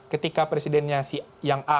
ketika presidennya si yang a